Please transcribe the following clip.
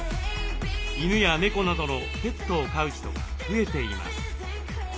犬や猫などのペットを飼う人が増えています。